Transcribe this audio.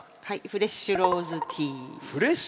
フレッシュローズティー。